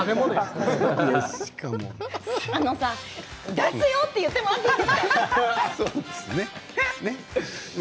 出すよって言ってもらっていいですか。